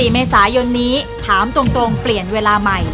๔เมษายนนี้ถามตรงเปลี่ยนเวลาใหม่